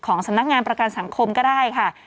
สำนักงานประกันสังคมก็ได้ค่ะ